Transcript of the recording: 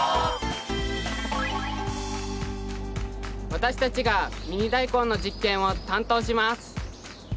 私たちがミニダイコンの実験を担当します。